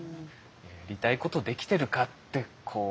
やりたいことできてるかってこう。